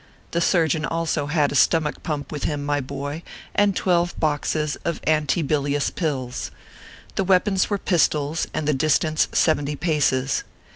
The surgeon also had a stomach pump with him, my boy, and twelve boxes of anti bilious pills. The weapons were pistols, and the distance seventy paces.